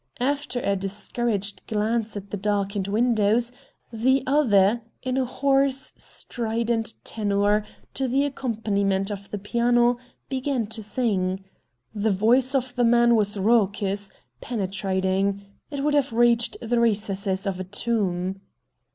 After a discouraged glance at the darkened windows, the other, in a hoarse, strident tenor, to the accompaniment of the piano, began to sing. The voice of the man was raucous, penetrating. It would have reached the recesses of a tomb.